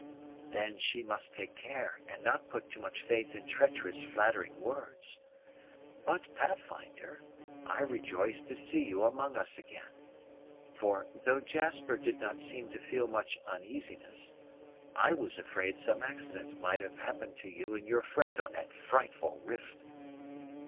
"Then she must take care and not put too much faith in treacherous, flattering words. But, Pathfinder, I rejoice to see you among us again; for, though Jasper did not seem to feel much uneasiness, I was afraid some accident might have happened to you and your friend on that frightful rift."